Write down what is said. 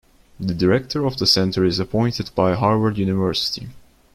The Director of the Center is appointed by Harvard University.